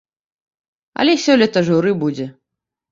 Але сёлета журы будзе.